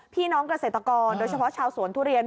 พี่น้องเกษตรกรโดยเฉพาะชาวสวนทุเรียน